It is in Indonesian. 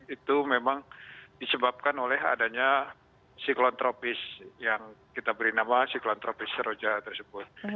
itu memang disebabkan oleh adanya siklon tropis yang kita beri nama siklon tropis roja tersebut